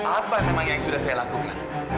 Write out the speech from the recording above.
apa memang yang sudah saya lakukan